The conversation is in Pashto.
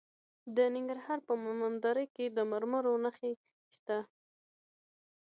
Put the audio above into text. د ننګرهار په مومند دره کې د مرمرو نښې شته.